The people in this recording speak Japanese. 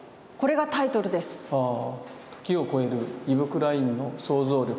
「時を超えるイヴ・クラインの想像力